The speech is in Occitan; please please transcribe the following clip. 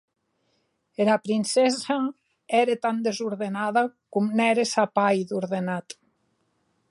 Era princessa ère tan desordenada, coma n’ère sa pair d’ordenat.